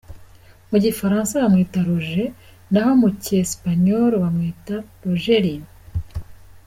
Mu gifaransa bamwita Roger naho mucyesipanyoro bamwita Rogelio.